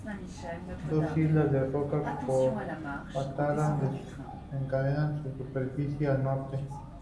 Dos islas de roca carbonatada descansan en su superficie, al norte.